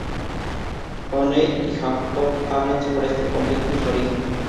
O'Neill y Jacob hablan sobre este conflicto y su origen.